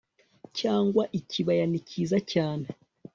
cyangwa ikibaya ni cyiza cyane